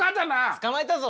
捕まえたぞ！